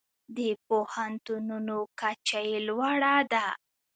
د پوهنتونونو کچه یې لوړه ده.